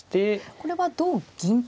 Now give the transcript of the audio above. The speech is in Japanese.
これは同銀と。